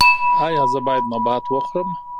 ایا زه باید نبات وخورم؟